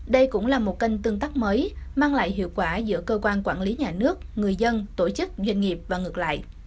đây cũng là một kênh tương tác mới mang lại hiệu quả giữa cơ quan quản lý nhà nước người dân tổ chức doanh nghiệp và ngược lại